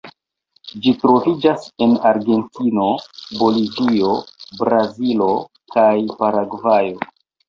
Ĝi troviĝas en Argentino, Bolivio, Brazilo kaj Paragvajo.